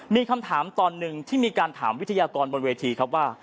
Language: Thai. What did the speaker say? มีคำถามตอนหนึ่งที่มีการถามวิทยากรบนเวทีครับว่า